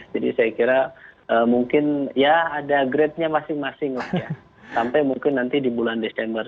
jadi saya kira mungkin ya ada grade nya masing masing lah ya sampai mungkin nanti di bulan desember